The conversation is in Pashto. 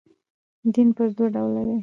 دین پر دوه ډوله دئ.